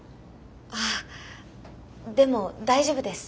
あでも大丈夫です。